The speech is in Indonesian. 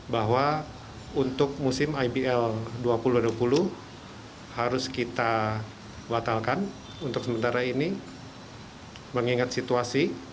bahwa untuk musim ibl dua ribu dua puluh harus kita batalkan untuk sementara ini mengingat situasi